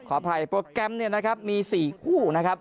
ขออภัยโปรแกรมเนี่ยนะครับมี๔คู่นะครับ